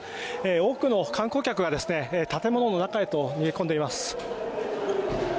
多くの観光客が建物の中へと逃げ込んでます。